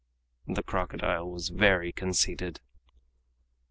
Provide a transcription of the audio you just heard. The crocodile was very conceited.